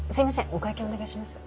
お会計お願いします。